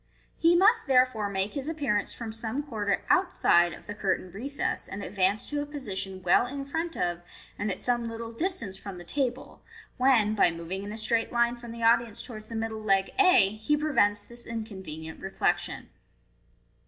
He must therefor*, make his appearance from some quarter outside of the curtained recess, and advance to a position well in front of, and at some little distance from the table, when, by moving in a straight line from the audience towards the middle leg a, he prevents this inconvenient reflection.